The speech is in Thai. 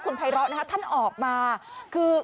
ยากออกมาคือ